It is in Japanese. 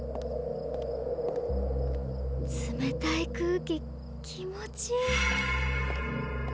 冷たい空気気持ちいい。